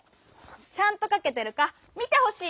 ちゃんとかけてるか見てほしいの！